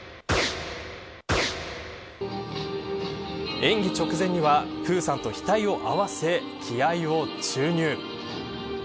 演技直前にはプーさんと額を合わせ気合を注入。